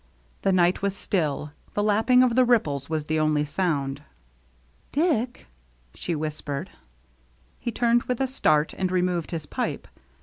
The night was still, the lapping of the ripples was the only sound. " Dick," she whispered. He turned with a start and removed his pipe.